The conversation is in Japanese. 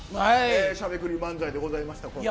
しゃべくり漫才でございました。